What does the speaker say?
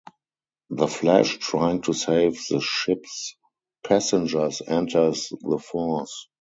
The Flash, trying to save the ship's passengers, enters the Force.